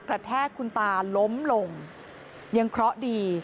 แทกคุณตาล้มลงยังเคราะห์ดี